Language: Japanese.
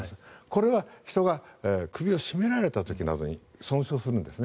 これは人が首を絞められた時などに損傷するんです。